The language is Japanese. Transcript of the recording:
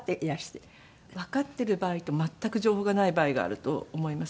わかっている場合と全く情報がない場合があると思います。